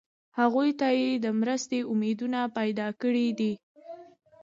هغوی ته یې د مرستې امیدونه پیدا کړي دي.